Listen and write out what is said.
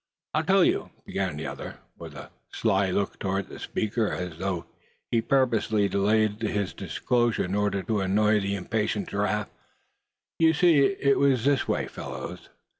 "I'll tell you," began the other, with a sly look toward the speaker, as though he purposely delayed his disclosure in order to annoy the impatient Giraffe; "you see, it was this way, fellows.